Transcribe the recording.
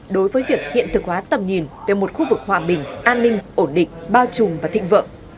đối với việc hiện thực hóa tầm nhìn về một khu vực hòa bình an ninh ổn định bao trùm và thịnh vượng